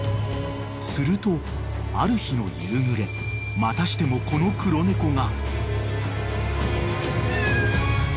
［するとある日の夕暮れまたしてもこの黒猫が］